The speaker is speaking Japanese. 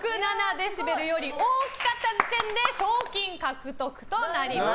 デシベルより大きかった時点で賞金獲得となります。